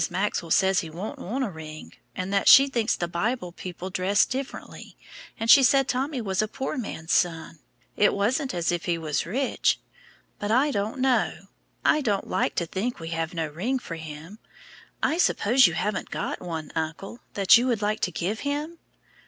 Maxwell says he won't want a ring, and that she thinks the Bible people dressed differently, and she said Tommy was a poor man's son: it wasn't as if he was rich. But I don't know; I don't like to think we have no ring for him. I suppose you haven't one, uncle, that you would like to give him?"